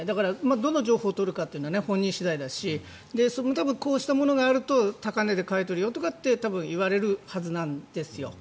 どの情報を取るかは本人次第だし多分こうしたものがあると高値で買い取るよとか多分言われるはずなんですよ。